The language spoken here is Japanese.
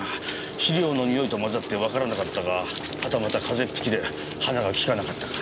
肥料のにおいと混ざってわからなかったかはたまた風邪っ引きで鼻が利かなかったか。